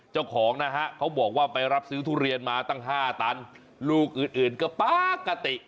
เจ้าของนะฮะเขาบอกว่าไปรับซื้อทุเรียนมาตั้ง๕ตันลูกอื่นก็ปกติ